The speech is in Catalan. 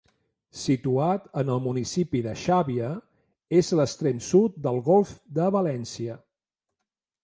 Situat en el municipi de Xàbia, és l'extrem sud del Golf de València.